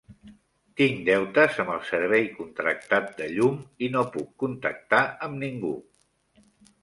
Tinc deutes amb el servei contractat de llum i no puc contactar amb ningú.